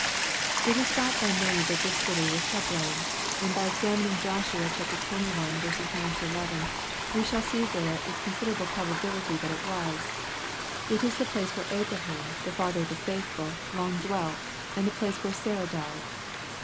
'] It is thought by many that this city was Hebron, and by examining Joshua xxi. 9 — 11, we shall see thera 2» 4 84 SXP08IT0BT THOUGHTS. 18 considerable probability that it was. It is the place where Abraham, the father of the faithful, long dwelt, and the place where Sarah died.